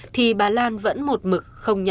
thì bà lan vẫn một mực